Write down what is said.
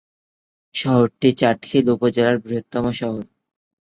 শহরটি চাটখিল উপজেলার বৃহত্তম শহর।